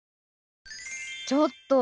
ちょっと！